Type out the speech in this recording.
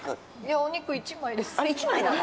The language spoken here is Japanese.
お肉１枚です。